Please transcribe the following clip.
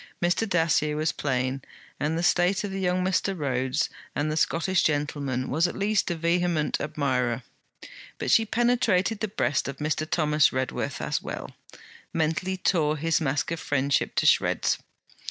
Mr. Dacier was plain, and the state of young Mr. Rhodes; and the Scottish gentleman was at least a vehement admirer. But she penetrated the breast of Mr. Thomas Redworth as well, mentally tore his mask of friendship to shreds.